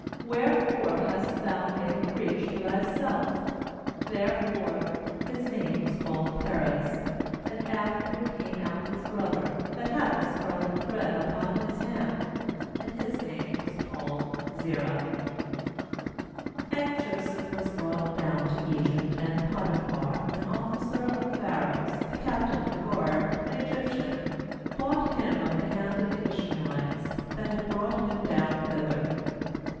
'Wherefore hast thou made a breach for thyself9' There fore his name was called aPerez. 30And afterward canae out his brother, that had the scarlet thread upon his hand; and his name was called Zerah. QO And Joseph was brought down ^ to Egypt; and Potiphar, an officer of Pharaoh's, the captain of the guard, an Egyptian, bought him of the hand of the Ishmaelites, that had brought him down thither.